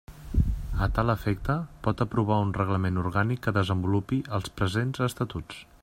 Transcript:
A tal efecte, pot aprovar un Reglament Orgànic que desenvolupi els presents Estatuts.